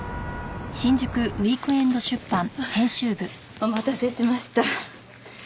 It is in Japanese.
お待たせしました。